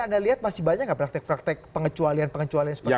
anda lihat masih banyak nggak praktek praktek pengecualian pengecualian seperti itu